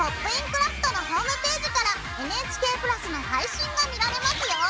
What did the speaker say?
クラフト」のホームページからＮＨＫプラスの配信が見られますよ。